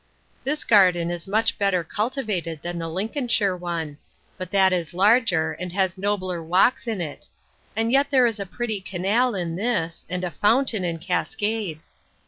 This garden is much better cultivated than the Lincolnshire one; but that is larger, and has nobler walks in it; and yet there is a pretty canal in this, and a fountain and cascade.